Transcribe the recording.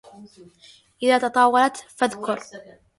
إذا تطاولت فاذكر